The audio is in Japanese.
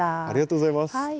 ありがとうございます。